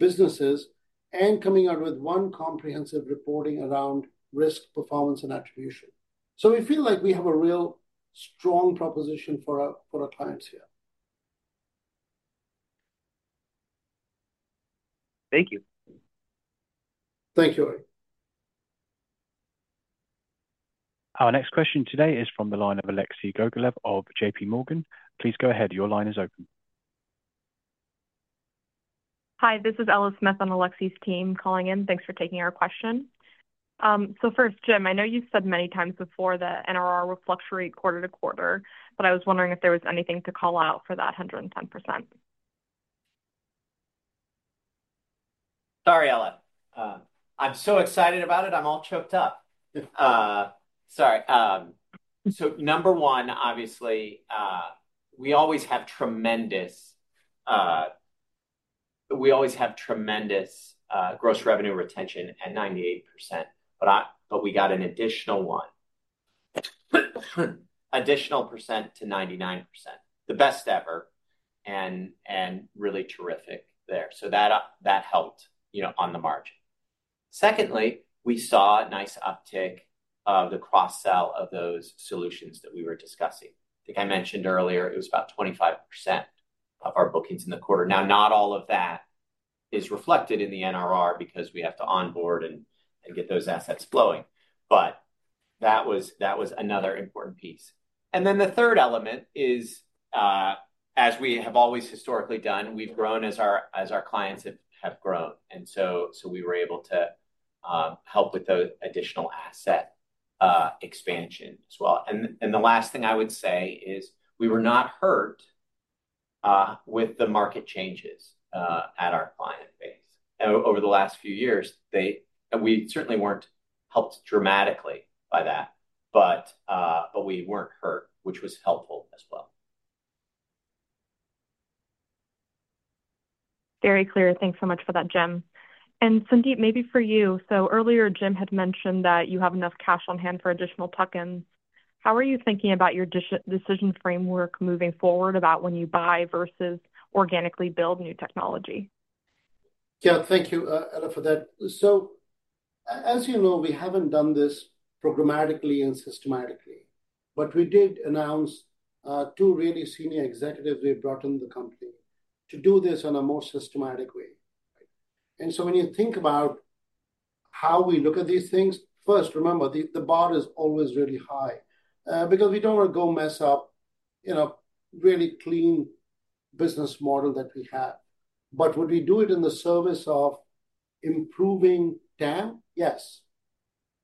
businesses and coming out with one comprehensive reporting around risk, performance, and attribution. So we feel like we have a real strong proposition for our, for our clients here. Thank you. Thank you, Ari. Our next question today is from the line of Alexei Gogolev of J.P. Morgan. Please go ahead. Your line is open. Hi, this is Ella Smith on Alexei's team calling in. Thanks for taking our question. So first, Jim, I know you've said many times before that NRR will fluctuate quarter to quarter, but I was wondering if there was anything to call out for that 110%. Sorry, Ella. I'm so excited about it, I'm all choked up. Sorry. So number one, obviously, we always have tremendous gross revenue retention at 98%, but we got an additional percent to 99%, the best ever, and really terrific there. So that helped, you know, on the margin. Secondly, we saw a nice uptick of the cross-sell of those solutions that we were discussing. I think I mentioned earlier, it was about 25% of our bookings in the quarter. Now, not all of that is reflected in the NRR because we have to onboard and get those assets flowing, but that was another important piece. And then the third element is, as we have always historically done, we've grown as our clients have grown, and so we were able to help with the additional asset expansion as well. And the last thing I would say is we were not hurt with the market changes at our client base. Over the last few years, we certainly weren't helped dramatically by that, but we weren't hurt, which was helpful as well. Very clear. Thanks so much for that, Jim. And Sandeep, maybe for you. So earlier, Jim had mentioned that you have enough cash on hand for additional tuck-ins. How are you thinking about your decision framework moving forward about when you buy versus organically build new technology? Yeah, thank you, Ella, for that. So as you know, we haven't done this programmatically and systematically, but we did announce two really senior executives we've brought in the company to do this on a more systematic way. And so when you think about how we look at these things, first, remember, the bar is always really high, because we don't want to go mess up, you know, really clean business model that we have. But would we do it in the service of improving TAM? Yes.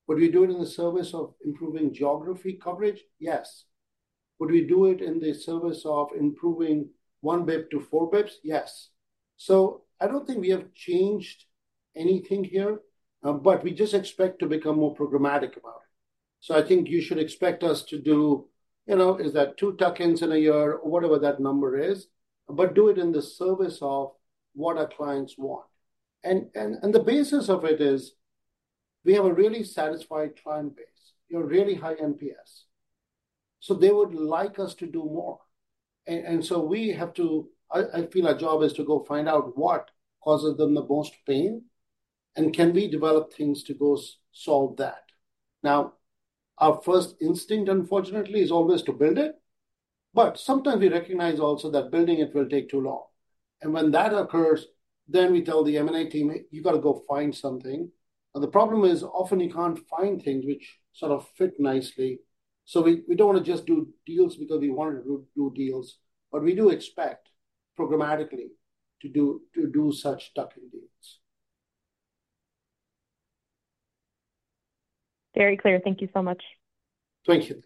Would we do it in the service of improving geography coverage? Yes. Would we do it in the service of improving one bip to four bips? Yes. So I don't think we have changed anything here, but we just expect to become more programmatic about it. So I think you should expect us to do, you know, is that two tuck-ins in a year or whatever that number is, but do it in the service of what our clients want. And the basis of it is we have a really satisfied client base, a really high NPS, so they would like us to do more. And so we have to. I feel our job is to go find out what causes them the most pain, and can we develop things to solve that? Now, our first instinct, unfortunately, is always to build it, but sometimes we recognize also that building it will take too long. And when that occurs, then we tell the M&A team, "You've got to go find something." And the problem is, often you can't find things which sort of fit nicely. So we don't want to just do deals because we want to do deals, but we do expect programmatically to do such tuck-in deals. Very clear. Thank you so much. Thank you.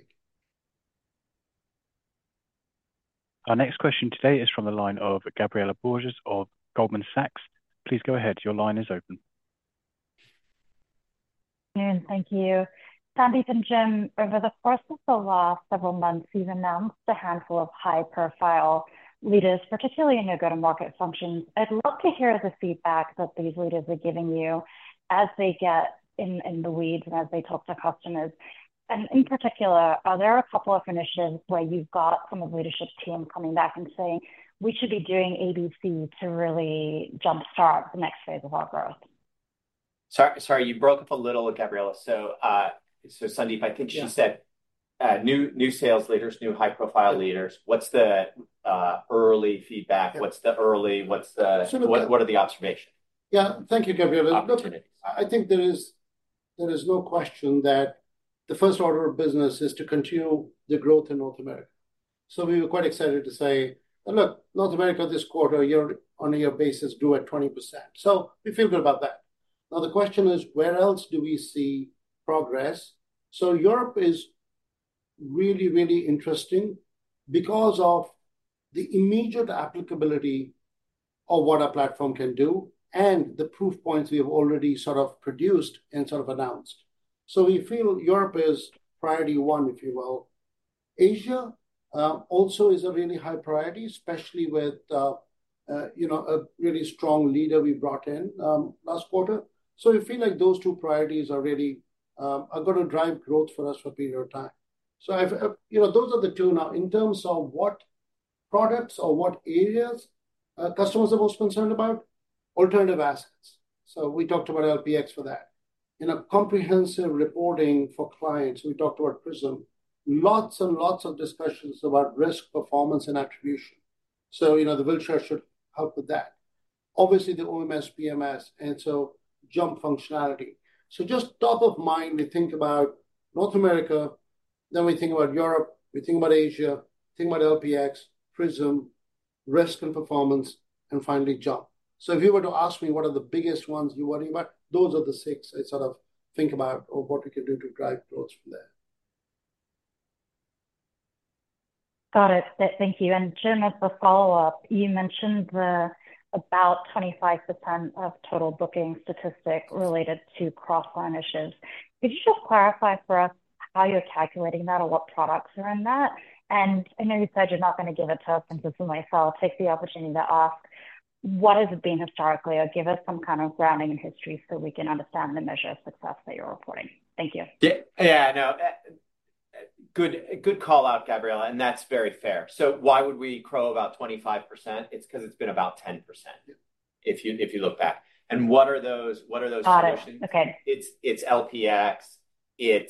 Our next question today is from the line of Gabriela Borges of Goldman Sachs. Please go ahead. Your line is open. Good afternoon. Thank you. Sandeep and Jim, over the course of the last several months, you've announced a handful of high-profile leaders, particularly in your go-to-market functions. I'd love to hear the feedback that these leaders are giving you as they get in the weeds and as they talk to customers. And in particular, are there a couple of initiatives where you've got some of the leadership team coming back and saying, "We should be doing ABC to really jump-start the next phase of our growth? Sorry, sorry, you broke up a little, Gabriela. So, so Sandeep, I think she said- Yeah New, new sales leaders, new high-profile leaders. What's the early feedback? Yeah. What's the- Sure, but- What are the observations? Yeah. Thank you, Gabriela. Opportunities. Look, I think there is no question that the first order of business is to continue the growth in North America. So we were quite excited to say, "Look, North America, this quarter, year-on-year basis, grew at 20%." So we feel good about that. Now, the question is: where else do we see progress? So Europe is really, really interesting because of the immediate applicability of what our platform can do and the proof points we have already sort of produced and sort of announced. So we feel Europe is priority one, if you will. Asia also is a really high priority, especially with, you know, a really strong leader we brought in last quarter. So we feel like those two priorities are really are going to drive growth for us for a period of time. So I've, you know, those are the two. Now, in terms of what products or what areas, customers are most concerned about, alternative assets. So we talked about LPx for that. In a comprehensive reporting for clients, we talked about Prism. Lots and lots of discussions about risk, performance, and attribution. So, you know, the Wilshire should help with that. Obviously, the OMS, PMS, and so JUMP functionality. So just top of mind, we think about North America, then we think about Europe, we think about Asia, think about LPx, Prism, risk and performance, and finally, JUMP. So if you were to ask me what are the biggest ones you worry about, those are the six I sort of think about or what we can do to drive growth from there. Got it. Thank you. And Jim, as a follow-up, you mentioned the about 25% of total booking statistic related to cross-sells. Could you just clarify for us how you're calculating that or what products are in that? And I know you said you're not going to give it to us, and so myself, I'll take the opportunity to ask, what is it been historically? Or give us some kind of grounding in history so we can understand the measure of success that you're reporting. Thank you. Yeah, yeah, I know. Good, good call out, Gabriela, and that's very fair. So why would we crow about 25%? It's because it's been about 10%- Yeah. If you look back. And what are those <crosstalk> solutions? Got it. Okay. It's LPx, you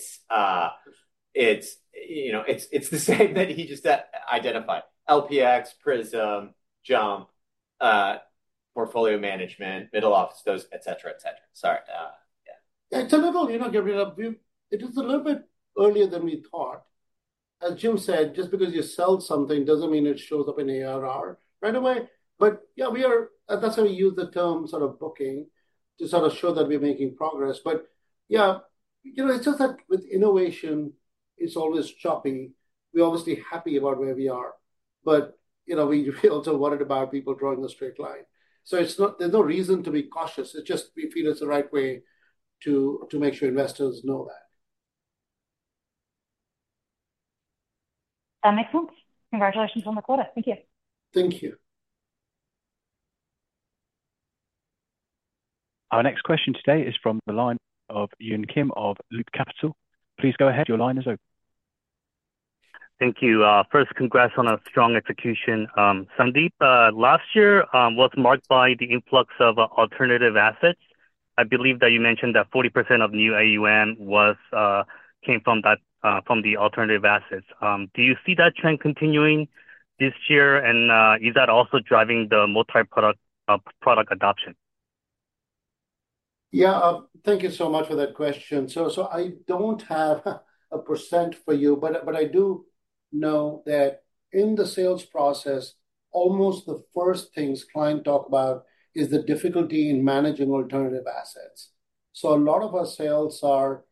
know, it's the same that he just identified. LPx, Prism, Jump, portfolio management, middle office, those, et cetera, et cetera. Sorry, yeah. Yeah, it's a little, you know, Gabriela, we—it is a little bit earlier than we thought. As Jim said, just because you sell something doesn't mean it shows up in ARR right away. But, yeah, we are—that's why we use the term sort of booking, to sort of show that we're making progress. But, yeah, you know, it's just that with innovation, it's always choppy. We're obviously happy about where we are, but, you know, we feel also worried about people drawing a straight line. So it's not—there's no reason to be cautious, it's just we feel it's the right way to, to make sure investors know that. That makes sense. Congratulations on the quarter. Thank you. Thank you. Our next question today is from the line of Yun Kim of Loop Capital. Please go ahead. Your line is open. Thank you. First, congrats on a strong execution. Sandeep, last year was marked by the influx of alternative assets. I believe that you mentioned that 40% of new AUM was came from that from the alternative assets. Do you see that trend continuing this year, and is that also driving the multi-product product adoption? Yeah. Thank you so much for that question. So, I don't have a percent for you, but I do know that in the sales process, almost the first things clients talk about is the difficulty in managing alternative assets. So a lot of our sales are,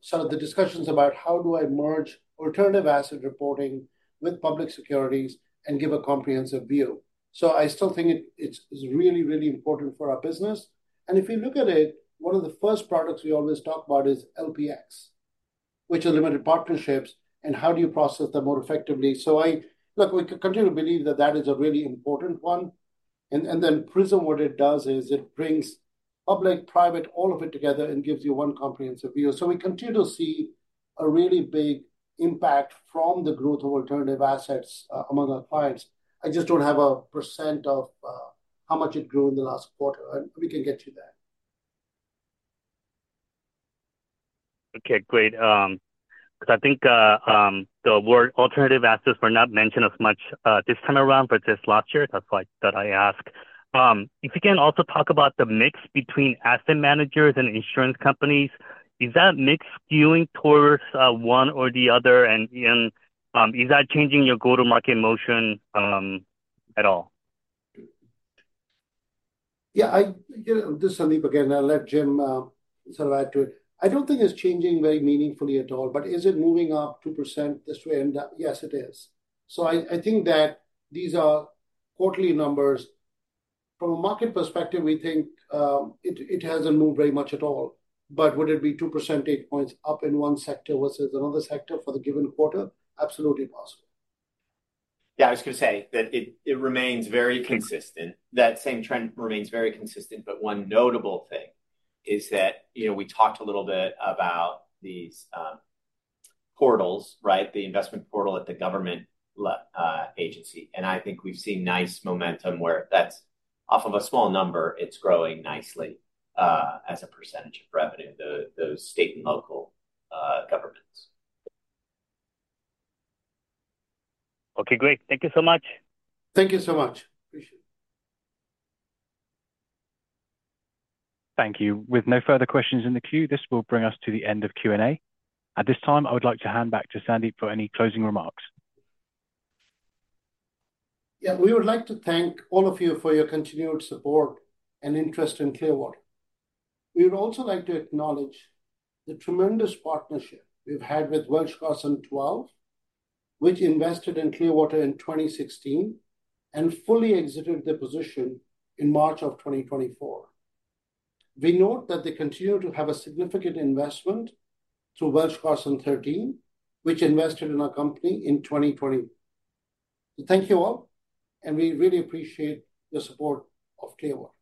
so the discussions about how do I merge alternative asset reporting with public securities and give a comprehensive view? So I still think it's really, really important for our business. And if you look at it, one of the first products we always talk about is LPx, which are limited partnerships, and how do you process them more effectively? So I—look, we continue to believe that that is a really important one. And then Prism, what it does is it brings public, private, all of it together and gives you one comprehensive view. We continue to see a really big impact from the growth of alternative assets, among our clients. I just don't have a percent of, how much it grew in the last quarter, and we can get you that. Okay, great. Because I think the word alternative assets were not mentioned as much this time around, but just last year, that's why I asked. If you can also talk about the mix between asset managers and insurance companies, is that mix skewing towards one or the other? Is that changing your go-to-market motion at all? Yeah, this is Sandeep again. I'll let Jim sort of add to it. I don't think it's changing very meaningfully at all, but is it moving up 2% this way and that? Yes, it is. So I think that these are quarterly numbers. From a market perspective, we think it hasn't moved very much at all, but would it be two percentage points up in one sector versus another sector for the given quarter? Absolutely possible. Yeah, I was going to say that it remains very consistent. That same trend remains very consistent, but one notable thing is that, you know, we talked a little bit about these portals, right? The investment portal at the government level agency. And I think we've seen nice momentum where that's off of a small number, it's growing nicely as a percentage of revenue, those state and local governments. Okay, great. Thank you so much. Thank you so much. Appreciate it. Thank you. With no further questions in the queue, this will bring us to the end of Q&A. At this time, I would like to hand back to Sandeep for any closing remarks. Yeah, we would like to thank all of you for your continued support and interest in Clearwater. We would also like to acknowledge the tremendous partnership we've had with Welsh Carson Twelve, which invested in Clearwater in 2016 and fully exited their position in March 2024. We note that they continue to have a significant investment through Welsh Carson Thirteen, which invested in our company in 2020. So thank you all, and we really appreciate the support of Clearwater.